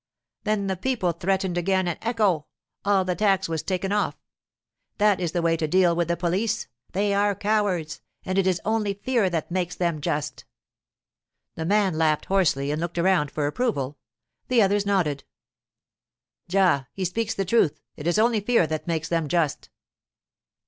Then the people threatened again, and ecco! all the tax was taken off. That is the way to deal with the police; they are cowards, and it is only fear that makes them just.' The man laughed hoarsely and looked around for approval. The others nodded. 'Già, he speaks the truth. It is only fear that makes them just.